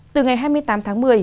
từ ngày hai mươi tám tháng một mươi